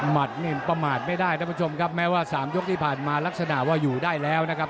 มัดประมาทไม่ได้นะแม้ว่า๓ยกที่ผ่านมาลักษณะว่าอยู่ได้แล้วนะครับ